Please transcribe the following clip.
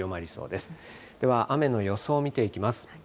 では雨の予想を見ていきます。